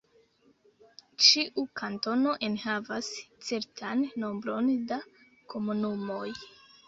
Ĉiu kantono enhavas certan nombron da komunumoj.